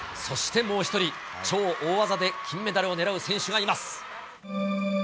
そしてもう１人、超大技で金メダルをねらう選手がいます。